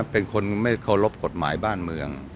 เป็นคนไม่เคารพกฎหมายบ้านเมือง